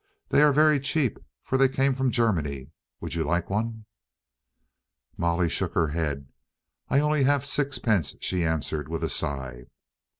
They are very cheap, for they came from Germany. Would you like one?" Molly shook her head. "I only have sixpence," she answered with a sigh.